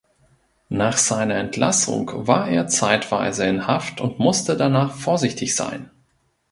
Nach seiner Entlassung war er zeitweise in Haft und musste danach vorsichtig sein.